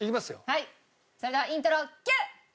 はいそれではイントロＱ！